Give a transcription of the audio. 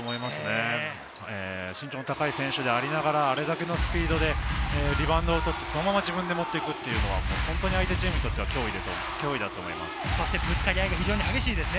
身長の高い選手でありながら、あれだけのスピードでリバウンド取って、そのまま自分で持っていくというのは相手チームにとっては脅威だと思います。